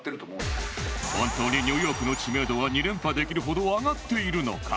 本当にニューヨークの知名度は２連覇できるほど上がっているのか？